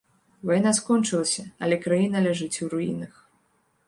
Вайна скончылася, але краіна ляжыць у руінах.